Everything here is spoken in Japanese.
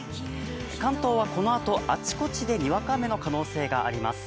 関東はこのあとあちこちでにわか雨の可能性があります。